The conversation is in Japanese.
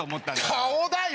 顔だよ！